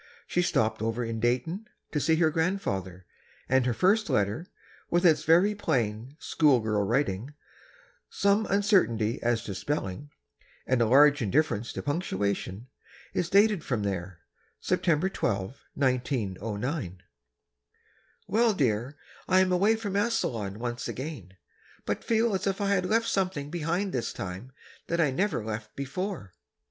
She stopped over in Dayton, to see her Grandfather, and her first letter, with its very plain, school girl writing, some uncertainty as to spelling, and a large indifference to punctuation, is dated from there: September 12, 1909: Well dear I am away from Massillon once again, but feel as if I had left something behind this time that I never left before.